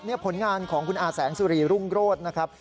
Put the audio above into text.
นี่ผลงานของคุณอาแสงสุรีรุ่งโรธนะครับ